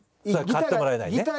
それ買ってもらえないね。